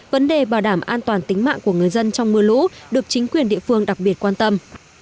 vấn đề bảo đảm an toàn tính mạng của người dân trong mưa lũ được chính quyền địa phương đặc biệt quan tâm